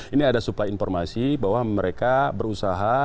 ini ada suplai informasi bahwa mereka berusaha